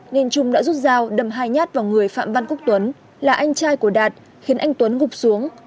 trung đã rút dao đầm hai nhát vào người phạm văn cúc tuấn là anh trai của đạt khiến anh tuấn gục xuống